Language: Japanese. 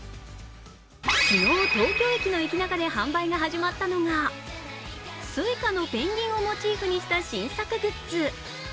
昨日、東京駅の駅ナカで販売が始まったのが、Ｓｕｉｃａのペンギンをモチーフにした新作グッズ。